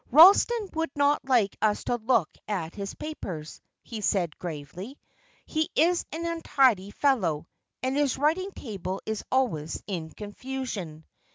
"Ralston would not like us to look at his papers," he said, gravely. "He is an untidy fellow, and his writing table is always in confusion."